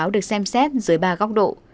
được xem xét dưới ba góc độ